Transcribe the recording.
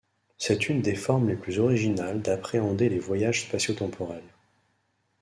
C'est une des formes les plus originales d'appréhender les voyages spatio-temporels.